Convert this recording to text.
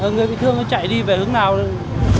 người bị thương chạy đi về hướng này